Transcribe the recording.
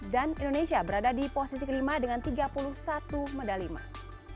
dan indonesia berada di posisi kelima dengan tiga puluh satu medali emas